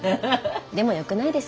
でもよくないですか？